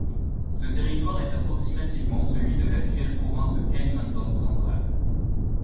Ce territoire est approximativement celui de l'actuelle province de Kalimantan central.